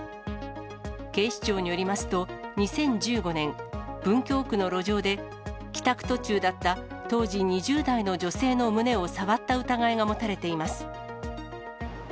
警視庁によりますと、２０１５年、文京区の路上で、帰宅途中だった当時２０代の女性の胸を触った疑いが持たれています。